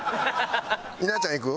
稲ちゃんいく？